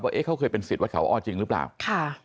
เอ๊ะเขาเคยเป็นสิทธิวัดเขาอ้อจริงหรือเปล่าค่ะ